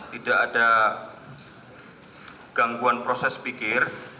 tidak ada gangguan proses pikir